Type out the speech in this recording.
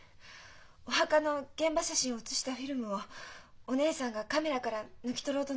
お墓の現場写真を写したフィルムをお姉さんがカメラから抜き取ろうとなさったのでつい。